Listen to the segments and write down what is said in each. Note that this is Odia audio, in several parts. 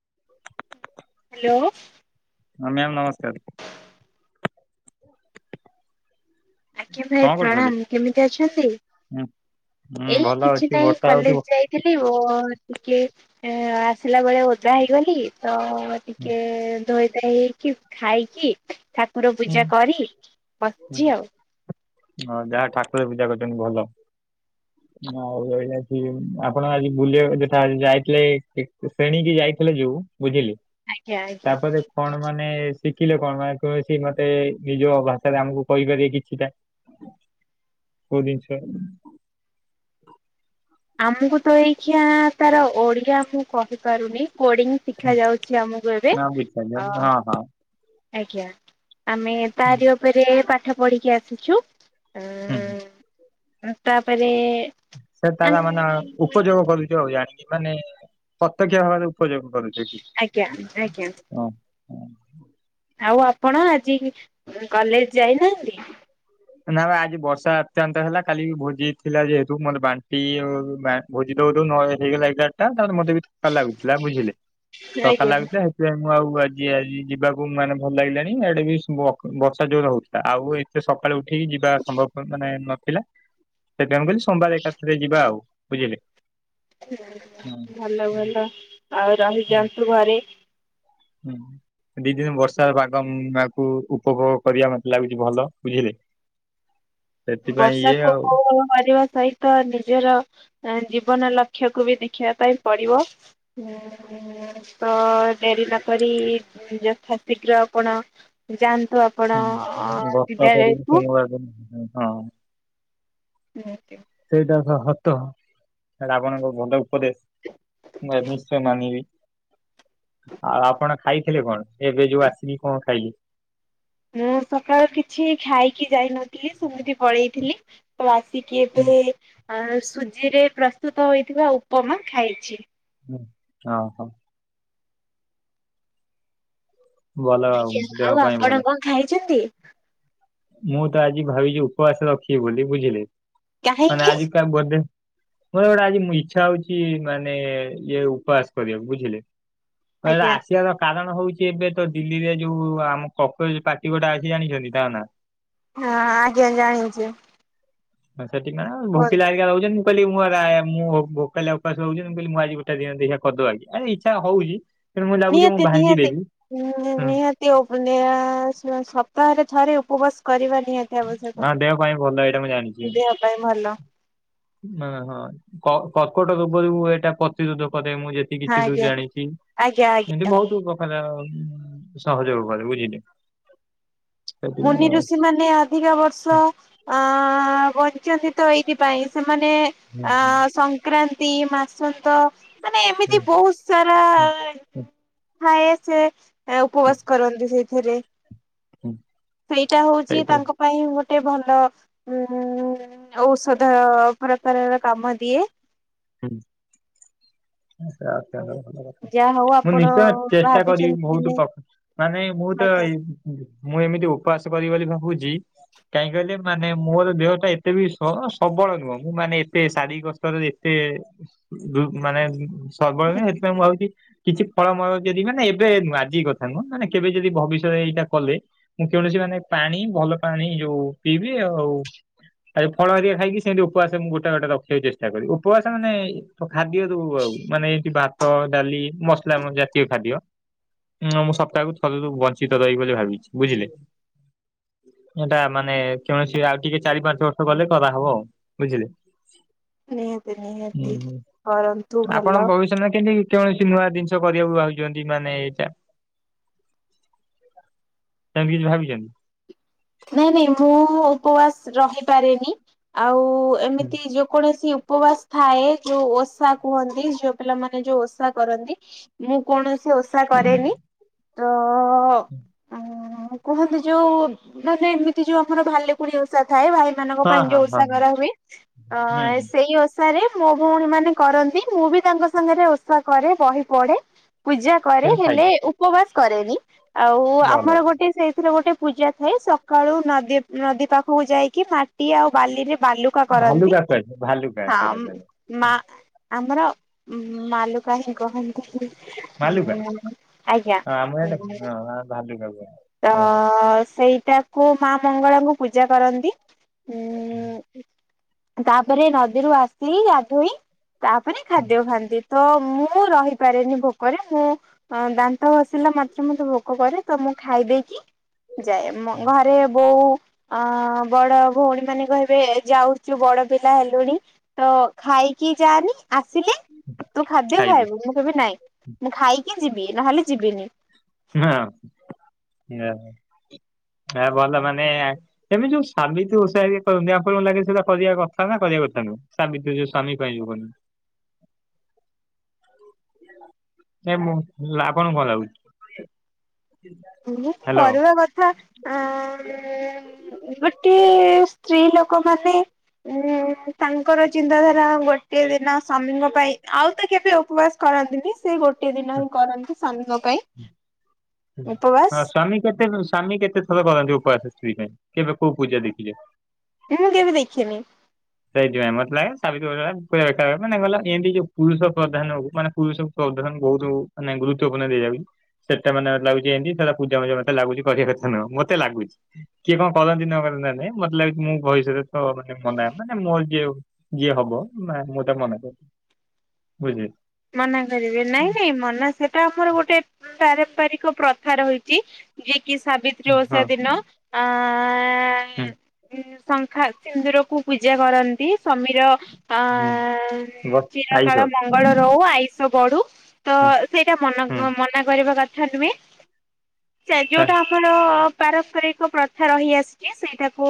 [inaudible] ହାଲୋ। ହଁ ମ୍ୟାାମ ନମସ୍କାର। ଆଜ୍ଞା ଭାଇ କଣ କରୁଥିଲେ? ପ୍ରଣାମ କେମିତି ଅଛନ୍ତି? ହୁଁ ହୁଁ ଏଇ ଭଲ କିଛି ଅଛି ନାହିଁ ବର୍ଷା ହଉଛି କଲେଜ ହୁଁ ଯାଇଥିଲି ଓ ଟିକେ ଆସିଲା ବେଳେ ଓଦା ହେଇଗଲି ତ ଟିକେ ଧୋଇ ହେଇକି ଖାଇକି ଠାକୁର ହୁଁ। ପୂଜା କରି ବସିଚି ଆଉ। ହଁ ଯାହା ଠାକୁର ପୂଜା କରିଚନ୍ତି ଭଲ। ଆଉ [unintelligible] ଆପଣ ଆଜି ବୁଲିବା କୁ ଯାଇଥିଲେ ଶ୍ରେଣୀକି ଯାଇଥିଲେ ଯୋଉ ବୁଝିଲି ଆଜ୍ଞା ଆଜ୍ଞା ତାପରେ କଣ ମାନେ ଶିଖିଲେ କଣ [unintelligible] କୌଣସି ମତେ ନିଜ ଭାଷାରେ ଆମକୁ କହିପାରିବେ କିଛିଟା। [unintelligible] ଜିନିଷ ଆମକୁ ତ ଏଇ [unintelligible] ତାର ଓଡ଼ିଆ ମୁଁ କହିପାରୁନି। କୋଡି଼ଙ୍ଗ୍ ଶିଖା ଯାଉଛି ଆମକୁ ଏବେ ହଁ ବୁଝିପାରିଲି ଆ ହଁ ହଁ। ଆଜ୍ଞା ଆମେ ତାରି ଉପରେ ପାଠ ପଢି଼କି ଆସିଛୁ। ହୁଁ। ଉଁ ତାପରେ [unintelligible] ମାନେ ଆଜ୍ଞା ଉପଯୋଗ କରୁଚୁ ଆଉ ଜାଣିକି ମାନେ ପ୍ରତ୍ୟକ୍ଷ ଭାବରେ ଉପଯୋଗ କରୁ ଆଜ୍ଞା ଆଜ୍ଞା। ହୁଁ । ଆଉ ଆପଣ ଆଜି କଲେଜ ଯାଇନାହାନ୍ତି? ନା ବା ଆଜି ବର୍ଷା ଅତ୍ୟନ୍ତ ହେଲା କାଲି ଭୋଜି ଥିଲା ଯେହେତୁ ମୋତେ [unintelligible] ଭୋଜି ତ [unintelligible] ହେଇଗଲା ଏଗାରଟା ତାପରେ ମତେ ବି ଥକା ଲାଗୁଥିଲା ବୁଝିଲେ ଥକା ଆଜ୍ଞା। ଲାଗୁଥିଲା ସେଥିପାଇଁ ମୁଁ ଆଉ ଆଜି ଆଜି ଯିବାକୁ ମାନେ ଭଲ ଲାଗିଲାନି ଇଆଡ଼େ ବି ବ ବର୍ଷା ଜୋର ହୋଉଥିଲା ଆଉ ଏତେ ସ ଏଠିକି ଯିବା ସମ୍ଭବ ପ୍ରଥମେ ନଥିଲା ସେଥିପାଇଁ ମୁଁ କହିଲି ସୋମବାର ଏକାଥରେ ଯିବା ଆଉ ବୁଝିଲେ । ଭଲ ଭଲ ଆଉ ହୁଁ ରହିଯାଆନ୍ତୁ ଘରେ । ହୁଁ । ଦି ଦିନ୍ ବର୍ଷା ପାଗ [unintelligible] ଉପଭୋଗ କରିବା ମତେ ଲାଗୁଛି ଭଲ ବୁଝିଲେ । ହ [unintelligible] ବର୍ଷା [unintelligible] ମାରିବ ସହିତ ନିଜର ଜୀବନ ଲକ୍ଷ୍ୟକୁ ବି ଦେଖିବା ପାଇଁ ପଡ଼ିବ ଉଁ ତ ଡ଼େରି ନ କରି ଯଥାଶୀଘ୍ର ଆପଣ ଯାଆ ହୁଁ ଗପ କରିବି [unintelligible] ହଁ । ନିହାତି। ସେଇଟା ତ ହତ ରାବଣଙ୍କ ଭଲ ଉପଦେଶ । ନିଶ୍ଚୟ ମାନିବି ଆଉ ଆପଣ ଖାଇଥିଲେ କଣ? ଏବେ ଯୋଉ ଆସିକି କଣ ଖାଇଲେ? ମୁଁ ସକାଳୁ କିଛି ଖାଇକି ଯାଇନଥିଲି ସେମିତି ପଳେଇଥିଲି ତ ଆ ଆସିକି ହୁଁ ଏବେ ଆଁ ସୁଜିରେ ପ୍ରସ୍ତୁତ ହୋଇଥିବା ଉପମା ଖାଇଛି । ଅ ହୋ । ଭଲ ଆଜ୍ଞା ଦେହ ଆଉ ପାଇଁ ଭଲ। ଆପଣ କଣ ଖାଇଚନ୍ତି? ମୁଁ ତ ଆଜି ଭାବିଛି ଉପବାସ ରଖିବି ବୋଲି ବୁଝିଲେ ମାନେ କାହିଁକି? ଆଜି କା ବୋଧେ ମୋର ଗୋଟେ ଆଜି ଇଚ୍ଛା ହଉଛି ମାନେ ଇଏ ଉପବାସ କରିବାକୁ ବୁଝିଲେ । କହିଲେ ଆଜ୍ଞା ଆସିବାର କାରଣ? ହଉଛି ଏବେ ତ ଦିଲ୍ଲୀରେ ଯୋଉ ଆମ [unintelligible] ପାର୍ଟି ଗୋଟେ ଆଇଚି ଜାଣିଚନ୍ତି ତାଙ୍କ ନା? ହଁ ଆଜ୍ଞା ଜାଣିଚୁ । [unintelligible] ଭୋକିଲା ହେଇକା ରହୁଚନ୍ତି। କହିଲି ମୁଁ [unintelligible] ମୁଁ ଭୋକିଲା ଉପାସ ରହୁଛନ୍ତି ମୁଁ କହିଲି ମୁଁ ଆଜି ଗୋଟେ ଦିନ [unintelligible] କରିଦବା କି [unintelligible] ଇଚ୍ଛା ହଉଛି । ନିହାତି ନିହାତି ହୁଁ ନିହାତି [unintelligible] ସପ୍ତାହରେ ଥରେ ଉପବାସ କରି ହଁ ଦେହ ପାଇଁ ଭଲ ଏଇଟା ମୁଁ ଜାଣିଛି ଦେହ ପାଇଁ ଭଲ । ହଁ ହଁ କ କର୍କଟ ରୋଗରୁ ଏଇଟା ପ୍ରତିରୋଧ ମୁଁ ଯେତିକ ହଁ କିଛି ଆଜ୍ଞା ଜାଣିଛି ଆଜ୍ଞା ଆଜ୍ଞା ଏମିତି ବହୁତ୍ ଉପକାର ସହଜ [unintelligible] ବୁଝିଲେ ମୁନି ସେଥିପାଇଁ ଆଉ ଋଷି ମାନେ ଅଧିକ ବର୍ଷ ହୁଁ ଅ ବଞ୍ଚନ୍ତି ତ ଏଇଥିପାଇଁ ସେ ମାନେ ହୁଁ ଅ ହୁଁ ସଂକ୍ରାନ୍ତି, ମାସନ୍ତ ମାନେ ହୁଁ ଏମିତି ବହୁତ୍ ସାରା ହୁଁ ହୁଁ ଥାଏ ସେ ଉପବାସ କରନ୍ତି ସେଇଥିରେ । [unintelligible] ସେଇଟା ହଉଛି ସେଇଟା ତାଙ୍କ ପାଇଁ ଗୋ ଗୋଟେ ଭଲ ଉ ଔଷଧ ପ୍ରକାରର କାମ ଦିଏ । ହୁଁ [unintelligible] ଭଲ କଥା । ଯାହା ହଉ ମୁଁ ଆପଣ ନିଶ୍ଚୟ ଚେଷ୍ଟା କରିବି ଭାବିଛନ୍ତି ଦିନେ ବହୁତ ମାନେ ମୁଁ ତ ଆଜ୍ଞା ମୁଁ ଏମିତି ଉପବାସ କରିବି ବୋଲି ଭାବୁଛି । କାହିଁ କହିଲେ ମାନେ ମୋର ଦେହ ଟା ଏତେ ବି ସବଳ ନୁହଁ ମୁଁ ମାନେ ଏତେ ଶାରୀରିକ ସ୍ତର ରେ ସେ ମାନେ ସର୍ବଳ [unintelligible] ସେଥିପାଇଁ ମୁଁ ଭାବୁଛି କିଛି ଫଳମଳ ଯେଦି ମାନେ ଏବେ ନୁହଁ ଆଜି କଥା ନୁହଁ ମାନେ କେବେ ଯଦି ଭବିଷ୍ୟତ ଏଇଟା କଲେ ମୁଁ କୌଣସି ମାନେ ପାଣି ଭଲ ପାଣି ଯୋଉ ପିଇବି ଆଉ ଆଉ ଫଳ ହେରିକା ଖାଇକି ସେମିତି ଉପାସ ମୁଁ ଗୋଟେ ଗୋଟେ ରଖିବାକୁ ଚେଷ୍ଟା କରିବି । ପୁ ଆସା ମାନେ ଖାଦ୍ୟ ସବୁ ଆଉ ମାନେ ଏମତି ଭାତ ଡାଲି ମସଲା ଜାତୀୟ ଖାଦ୍ୟ ହୁଁ ମୁଁ ସପ୍ତାହକୁ ଥରେ ବଞ୍ଚିତ ରହିବି ବୋଲି ଭାବିଛି ବୁଝିଲେ। ଏଇଟା ମାନେ କୌଣସି ଆଉ ଟିକେ ଚାରି ପାଞ୍ଚ ବର୍ଷ ଗଲେ କରାହବ ଆଉ ବୁଝିଲେ। ନିହାତି ହୁଁ ନିହାତି ହୁଁ କରନ୍ତୁ ଆପଣ ଭଲ [unintelligible] କୌଣସି ନୂଆ ଜିନିଷ କରିବାକୁ ଭାବିଛନ୍ତି ମାନେ ଏଇଟା ସେମିତି କିଛି ଭାବିଛନ୍ତି? ନାଇଁ ନାଇଁ ମୁଁ ଉପବାସ ରହିପାରେନି ଆଉ ଏମିତି ଯେକୌଣସି ଉପବାସ ଥାଏ ଯୋଉ ଓଷା କୁହନ୍ତି ଝିଅ ପିଲାମାନେ ଯୋଉ ଓଷା କରନ୍ତି ମୁଁ କୌଣସି ସେ ଓଷା କରେନି ତ ହୁଁ। ଉଁ କୁହନ୍ତି ଯୋଉ ମାନେ ଏମିତି ଯୋଉ ଆମର ଭାଲୁକୁଣି ଓଷା ଥାଏ ଭାଇ ମାନଙ୍କ ହଁ ପାଇଁ ହଁ ଯୋଉ ହଁ ଓଷା କରା ହୁଏ ଅ ହୁଁ ହୁଁ ସେଇ ଓ ରେ ମୋ ଭଉଣୀ ମାନେ କରନ୍ତି ମୁଁ ବି ତାଙ୍କ ସାଙ୍ଗରେ ଓଷା କରେ ବହି ପଢେ ପୂଜା କରେ କିନ୍ତୁ ହେଲେ ଖାଇବି ଉପବାସ କରେନି ଆଉ ଭଲ ଆମର ଗୋଟେ ସେଇଥିରେ ଗୋଟେ ପୂଜା ଥା ସକାଳୁ ନଦୀ ନଦୀ ପାଖକୁ ଯାଇକି ମାଟି ଆଉ ବାଲିରେ ବାଲୁକା କରନ୍ତି ଭାଲୁକା କୁହାଯାଏ ଭାଲୁକା ହଁ ସେଇଟା କୁହାଯାଏ। ମା ଆମର ମାଲୁକା ହି କହନ୍ତି। ଭାଲୁକା ଆଜ୍ଞା ହଁ ଆମର ଏଇଟା ହଁ ଭାଲୁକା କୁହାଯାଏ। ତ ହଁ ସେଇଟାକୁ ମା ମଙ୍ଗଳାଙ୍କୁ ପୂଜା କରନ୍ତି। ହୁଁ। ଉଁ ତାପରେ ନଦୀରୁ ଆସି ଗାଧେଇ ତାପରେ ହୁଁ ଖାଦ୍ୟ ଖାଆନ୍ତି। ତ ମୁଁ ରହିପାରେନି ଭୋକରେ ମୁଁ ଦାନ୍ତ ଘଷିଲା ମାତ୍ରେ ମତେ ଭୋକ କରେ ତ ମୁଁ ଖାଇ ଦେଇକି ଯାଏ ହୁଁ ଘରେ ବୋଉ ଅ ବଡ ଭଉଣୀ ମାନେ କହିବେ ଯାଉଛୁ ବଡ ପିଲା ହେଲୁଣି ତ ଖାଇକି କି ଯାଆନି ଆସିଲେ ତୁ ଖାଦ୍ୟ ଖାଇବୁ ମୁଁ କହିବି ନାଇଁ ମୁଁ ଖାଇକି ଯିବି ନହେଲେ ଯିବିନି। ନାଁ [unintelligible] ହେ ଭଲ ମାନେ ଏମିତି ଯୋଉ ସାବିତ୍ରି ଓଷା ହେରିକା କରନ୍ତି ଆପଣ ଙ୍କୁ ଲାଗେ ସେଇଟା କରିବା କଥା ନା କରିବା କଥା [unintelligible] ସାବିତ୍ରୀ ଯୋଉ ସ୍ୱାମୀ ପାଇଁ ଯୋଉ [unintelligible] ସେ ମୁଁ ଆପଣ ଙ୍କୁ କଣ ଲାଗୁଛି? ନିହାତି ହ୍ୟାଲୋ। କରିବା କଥା [unintelligible] ଗୋଟେ ସ୍ତ୍ରୀ ଲୋକ ମାନେ ଉଁ ତାଙ୍କର ଚିନ୍ତାଧାରା ଗୋଟେ ଦିନ ସ୍ୱାମୀଙ୍କ ପାଇଁ ଆଉ ତ କେବେ ଉପବାସ କର କରନ୍ତିନି ସେ ଗୋଟେ ଦିନ ହିଁ କରନ୍ତି ସ୍ବାମୀଙ୍କ ପାଇଁ ଉପବାସ ହଁ ସ୍ୱାମୀ କେତେ ସ୍ୱାମୀ କେତେ ଥର କରନ୍ତି ଉପବାସ ସ୍ତ୍ରୀ ପାଇଁ କେବେ କୋଉ ପୂଜା ଦେଖିଛ? ମୁଁ କେବେ ଦେଖିନି। ସେଇଥିପାଇଁ ମତେ ଲାଗେ [unintelligible] ମାନେ ଗଲା ଏମତି ଯୋଉ ପୁରୁଷ ପ୍ରଧାନ କୁ ମାନେ ପୁରୁଷ ବହୁତ ମାନେ ଗୁରୁତ୍ୱପୂଣ୍ଣ ଦିଆ ଯାଉଛି । ସେଟା ମାନେ ଗୋଟେ ଲାଗୁଛି ଯେମିତି ସେଟା ପୂଜା ମୁଜା ମତେ ଲାଗୁଛି ଯେମିତି କରିବା କଥା ନୁହଁ ମତେ ଲାଗୁଛି କିଏ କଁ କରନ୍ତି ନକ ନା ନାଇଁ ମତେ ଲାଗୁଛି ମୁଁ ଭଇଶରେ ତ । ମାନେ ମୋର ଯିଏ ଯିଏ ହବ ନା ମୁଁ ତାକୁ ମନା କରିବି ବୁଝିଲେ। ମନା କରିବେ ନାଇଁ ନାଇଁ ମନା ସେଟା ଆମର ଗୋଟେ । ପାରମ୍ପରିକ ପ୍ରଥା ରହିଛି ଯିଏକି ସାବିତ୍ରୀ ଓଷା ହଁ ଦିନ ଆ ହୁଁ । ଶଙ୍ଖା ସିନ୍ଦୁରକୁ ପୂଜା କରନ୍ତି । ସମୀର ଆ ହୁଁ ଉଁ ବ ଚୀର ଆଇଷ କଳ ମଙ୍ଗଳ । ହୁଁ ଆଇସ ବଢ଼ୁ ତ ସେଟା ମନ ହୁଁ ମନା କରିବା କଥା ନୁହେଁ । ଚା ଆ- ଯୋଉଟା ଆମର ପାରମ୍ପରିକ ପ୍ରଥା ରହିଆସିଛି ସେଇଟାକୁ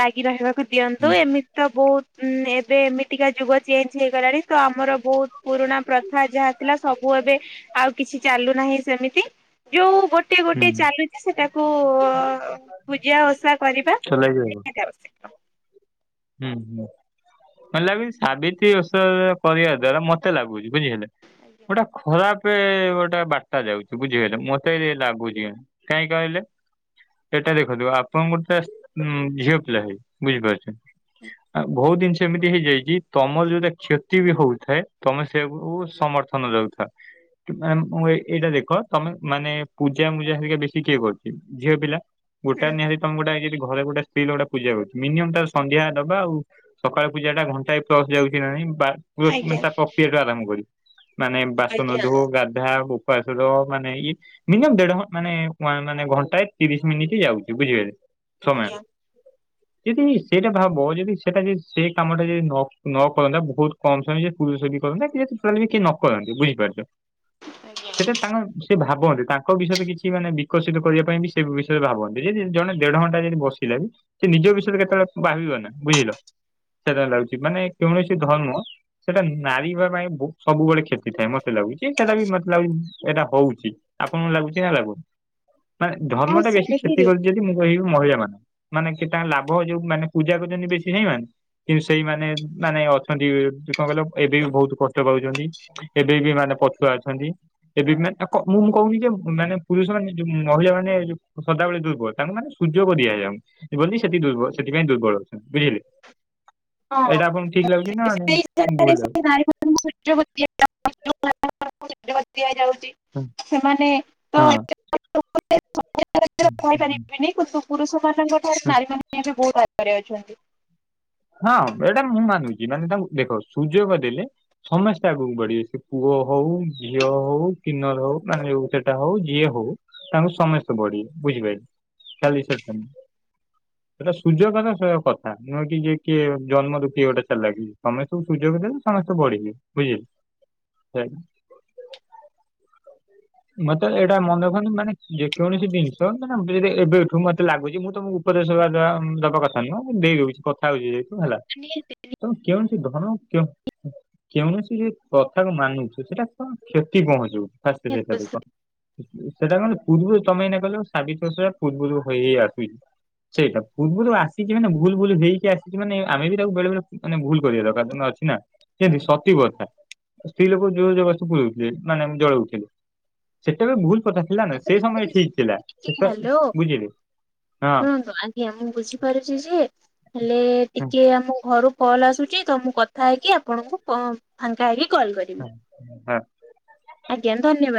ଲାଗି ରହିବାକୁ । ଦିଅନ୍ତୁ ହୁଁ ଏମିତି ତ ବହୁତ ଏବେ ଏମିତିକା ଯୁଗ ଚେଞ୍ଜ ହେଇଗଲାଣି ତ ଆମର ବହୁତ । ପୁରୁଣା ପ୍ରଥା ଯାହା ଥିଲା ସବୁ ଏବେ ଆଉ କିଛି ଚାଲୁନାହିଁ ସେମିତି ଯୋଉ । ଗୋଟେ ଗୋଟେ ହୁଁ ଚାଲୁଚି ସେଟାକୁ ପୂଜା ଓସା କରିବା ଚଲାଇକି ରହିବ। ନିହାତି ଆବଶ୍ୟକ । ହୁଁ ହୁଁ ମତେ ଲାଗୁଚି ସାବିତ୍ରୀ ଓଷା କରିବା ଦ୍ଵାରା ମତେ ଲାଗୁଚି । ବୁଝି ହେଲେ ଗୋଟା ଖରାପ୍ । ଏ ଗୋଟା ବାର୍ତ୍ତା ଯାଉଛି ବୁଝିଗଲେ ମତେ ଏ ଲାଗୁଚି କାଇଁ କହିଲେ । ଏଟା ଦେଖନ୍ତୁ ଆପଣ ଗୋଟେ ସ ଝିଅ ପିଲା ହେଇ ବୁଝିପାରୁଛନ୍ତି । ହୁଁ [inaudible] ଆଉ ବହୁତ ଜିନିଷ ଏମିତି ହେଇଯାଇଛି ତମର ଯୋଉଟା କ୍ଷତି ବି ହଉଥାଏ ତମେ ସେଆକୁ ସମର୍ଥନ । ରହୁଥା । କି ମାମ୍ ମୁଁ ଏଇ ଏଇଟା ଦେଖ ତମେ ମାନେ ପୂଜା ମୂଜା ଘରିକା ବେଶୀ କିଏ କରୁଚି ଝିଅ ପିଲା। ଗୋଟା ହୁଁ ନିହାତି ତମେ ଗୋଟା ଯଦି ଘରେ ଗୋଟା ସ୍ତ୍ରୀ ଲୋକଟା ପୁଜା କରୁଚି ମିନିୟମ୍ ତାର ସନ୍ଧ୍ୟା । ଦବା ଆଉ ସକାଳ ପୂଜା ଟା ଘଣ୍ଟାଏ ପ୍ଲସ୍ ଯାଉଛି ନାଁ ନାଇଁ ବା ଫୁର ଆଜ୍ଞା। ତା ପ୍ରକ୍ରିୟା ଟୁ ଆରମ୍ଭ କରି । ମାନେ ବାସନ ଆଜ୍ଞା ଧୋ ଗାଧା । ବାସନ ମାନେ ଇଏ ମିନିୟମ୍ ଦେଢ଼ ଘ ମାନେ ୱାନ ମନେ ଘଣ୍ଟାଏ ତିରିଶ ମିନିଟ୍ ଯାଉଛି ବୁଝି ଗଲେ। ସମୟ ଆଜ୍ଞା। ଯଦି ସେଇଟା । ଭାବ ଯଦି ସେଟା ଯଦି ସେ କାମଟା ଯଦି ନ ନ କରନ୍ତା ବହୁତ କମ୍ ସମୟ ରେ ଯେ ପରୁଷ ବି କରନ୍ତା କି ଯଦି କେହି ନକରନ୍ତି ବୁଝିପାରୁଚ ଆଜ୍ଞା। ସେଟା ତାଙ୍କ ସେ ଭାବ । ଭାବନ୍ତି ତାଙ୍କ ବିଷୟରେ କିଛି ମାନେ ବିକଶିତ କରିବା ପାଇଁ ବି ସେ ବିଷୟରେ ଭାବନ୍ତି ଯଦି ଜଣେ ଦେଢଘଣ୍ଟା ଯଦି ବସିଲା ବି । ସେ ନିଜ ବିଷୟରେ କେତେବେଳେ ଭାବିବ ନା ବୁଝିଲ ସେଟା ଲାଗୁଛି ମାନେ । କୌଣସି ଧର୍ମ ସେଟା ନାରି ବା ପାଇଁ ସବୁବେଳେ କ୍ଷତି ଥାଏ ମତେ ଲାଗୁଛି ସେଟା ବି ମୋତେ ଲାଗୁଚି। ଏଇଟା ହଉଚି ଆପଣଙ୍କୁ ଲାଗୁଚି ନା ଲାଗୁନି? ମାନେ ଧର୍ମ ହଁ ଟା ବେଶୀ କ୍ଷତି ସେମିତିରେ କରୁଛି ଯଦି ମୁଁ କହିବି ମହିଳା ମାନଙ୍କୁ ମାନେ କି ତା ଲାଭ ଯୋଉ ମାନେ। ପୂଜା କରୁଚନ୍ତି ବେଶୀ ସେଇ ମାନ କିନ୍ତୁ ସେଇମାନେ ମାନେ ଅଛନ୍ତି କଣ କହିଲ ଏବେ ବି ବହୁତୁ କଷ୍ଟ ପାଉଛନ୍ତି ଏବେ ବି ମାନେ । ପଛୁଆ ଅଛନ୍ତି ଏବେ ବି ମାନେ କ ମୁଁ ମୁଁ କହୁନି ଯେ ମାନେ ପୁରୁଷ ମାନେ ଏ ଯୋଉ ମହିଳା ମାନେ ଏ ଯୋଉ । ସଦାବେଳେ ଦୁର୍ବଳ ତାଙ୍କୁ ମାନେ ସୁଯୋଗ ଦିଆଯାଉନି ବୋଲି ସେଥୀ ଦୁର୍ବଳ ସେଥିପାଇଁ ଦୁର୍ବଳ ଅଛନ୍ତି ବୁଝିଲେ। ହଁ ଏଇଟା ଆପଣକୁ ଠିକ୍ ଲା [unintelligible] ଦିଆଯାଉଛି ସେମାନେ ତ [unintelligible] ସଫଳ କହି ହଁ। ପାରିବିନି କିନ୍ତୁ ହଁ ପୁରୁଷ ମାନଙ୍କ ଠାରୁ ନାରୀ ହୁଁ, ମାନେ ବହୁତ [unintelligible] ଗରେ ଅଛନ୍ତି । ହଁ ଏଇଟା ମୁଁ ମାନୁଚି ମାନେ ତାଙ୍କୁ ଦେଖ ସୁଯୋଗ ଦେଲେ ସମସ୍ତେ ଆଗକୁ ବଢ଼ିବେ ସେ ପୁଅ ହଉ । ଝିଅ ହଉ କିନର ହଉ ଯୋଉ ସେଟା ହଉ ଯିଏ ହଉ ତାଙ୍କୁ ସମସ୍ତେ ବଢିବେ ବୁଝିପାରିଲେ। ଖାଲି ସେଟା ନୁହେଁ ସେଟା ସୁଯୋଗର କଥା ନୁହେଁକି ଯିଏ । କିଏ ଜନ୍ମ ରୁ କିଏ ଗୋଟା ଚାଲାକି ସମସ୍ତେ କୁ ସୁଯୋଗ ଦେଲେ ସମସ୍ତେ ବଢିବେ ବୁଝିଲେ । [unintelligible] ମତେ ଏଇଟା ମନେ ରଖନ୍ତୁ ମାନେ ଯେକୌଣସି ଜିନିଷ ମାନେ ଧିରେ ଧିରେ ଏବେଠୁ ମତେ ଲାଗୁଛି ମୁଁ ତମକୁ ଉପ । ଉପଦେଶ ଦବାଟା ଉଁ ଦବା କଥା ନୁହଁ ମୁଁ ଦେଇଦଉଛି କଥା ହେଉଛିି ଯେହେତୁ। ହେଲା ତମେ କେଉଁଠି ଧନ କେଉଁ କେଉନଶି ବି ପ୍ରଥା କୁ ମାନୁଚୁ ସେଟା କଣ କ୍ଷତି ପହଞ୍ଚଉଛି । ସେଟା ଦେଖ। ସେଟା କଣ ପୂର୍ବୁରୁ ତମେ ଏଇନା କଇଲ ସାବିତ୍ରୀ ଓଷା ପୂର୍ବୁରୁ ହୋଇ ହେଇ ଆସୁଛି। ସେଇଟା ପୂର୍ବୁରୁ ଆସିଚି ମାନେ ଭୁଲ୍ ଭୁଲ୍ ହେଇକି ଆସିଚି ମାନେ ଆମେ ବି ତାକୁ ବେଳେ ବେଳେ ମାନେ ଭୁଲ୍ କରିବା ଦରକାର। ତେଣୁ ଅଛି ନା। ସେମତି ସତୀ ପ୍ରଥା, ସ୍ତ୍ରୀ ଲୋକଙ୍କୁ ଜୋର ଜବରଦସ୍ତ ପୋଡ଼ି ଦଉଥିଲେ ମାନେ ଜଳଉଥିଲେ। ସେଟା ବି ଭୁଲ୍ ପ୍ରଥା ଥିଲା ନା, ସେ ସମୟ ଠିକ୍ ଥିଲା। ସେଟା ହ୍ୟାଲୋ ବୁଝିଲେ? ହଁ ଶୁଣନ୍ତୁ ଆଜ୍ଞା। ମୁଁ ବୁଝିପାରୁଚି ଯେ ହେଲେ ହଁ ଟିକେ ଆମ ଘରୁ କଲ୍ ଆସୁଚି, ତ ମୁଁ କଥା ହେଇକି ଆପଣଙ୍କୁ କ ଫାଙ୍କା ହେଇକି କଲ୍ କରିବି। ହଁ। ଆଜ୍ଞା ଧନ୍ୟବାଦ।